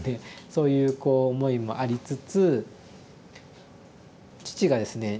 そういうこう思いもありつつ父がですね